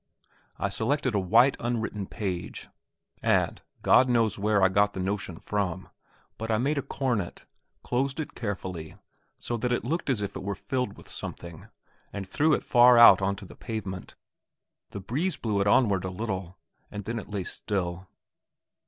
I selected a white unwritten page, and God knows where I got the notion from but I made a cornet, closed it carefully, so that it looked as if it were filled with something, and threw it far out on to the pavement. The breeze blew it onward a little, and then it lay still.